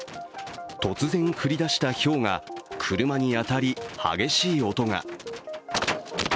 突然降り出したひょうが車に当たり、激しい音が。